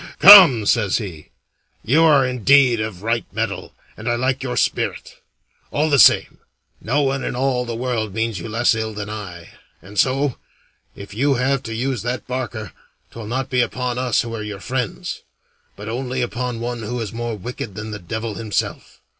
"Come," says he, "you are indeed of right mettle, and I like your spirit. All the same, no one in all the world means you less ill than I, and so, if you have to use that barker, 'twill not be upon us who are your friends, but only upon one who is more wicked than the devil himself.